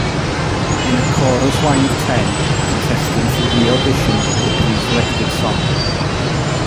In a chorus line of ten, contestants re-audition with a pre-selected song.